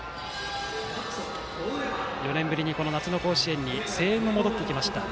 ４年ぶりに、この夏の甲子園に声援も戻ってきました。